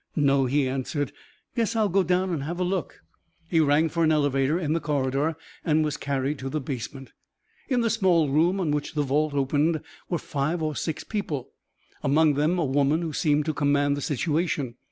"No," he answered. "Guess I'll go down and have a look." He rang for an elevator in the corridor and was carried to the basement. In the small room on which the vault opened were five or six people, among them a woman who seemed to command the situation.